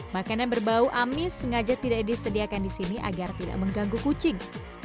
makanan berbau amis sengaja tidak disediakan di sini agar tidak mengganggu kucing